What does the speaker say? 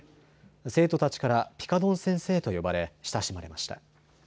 生徒たちからピカドン先生と呼ばれ親しまれました。